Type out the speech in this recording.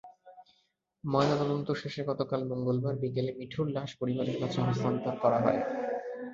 ময়নাতদন্ত শেষে গতকাল মঙ্গলাবার বিকেলে মিঠুর লাশ পরিবারের কাছে হস্তান্তর করা হয়।